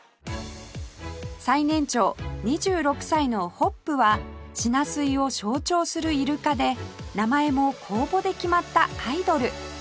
最年長２６歳のホップはしな水を象徴するイルカで名前も公募で決まったアイドル